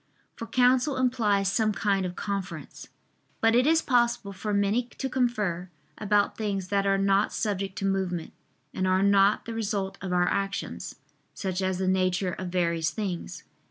For counsel implies some kind of conference. But it is possible for many to confer about things that are not subject to movement, and are not the result of our actions, such as the nature of various things.